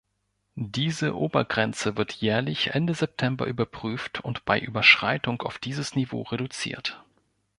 Diese Obergrenze wird jährlich Ende September überprüft und bei Überschreitung auf dieses Niveau reduziert.